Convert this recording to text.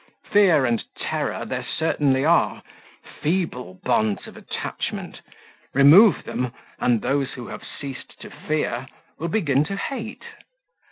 Fear and terror there certainly are, feeble bonds of attachment; remove them, and those who have ceased to fear will begin to hate.